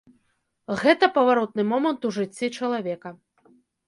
Гэта паваротны момант у жыцці чалавека.